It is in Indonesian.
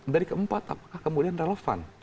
dari keempat apakah kemudian relevan